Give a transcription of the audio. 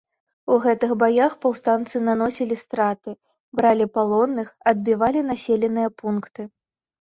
У гэтых баях паўстанцы наносілі страты, бралі палонных, адбівалі населеныя пункты.